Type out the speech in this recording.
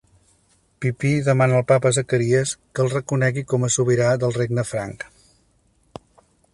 Pipí demana al Papa Zacaries que el reconegui com a sobirà del regne franc.